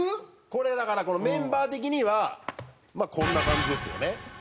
これはだからメンバー的にはまあこんな感じですよね。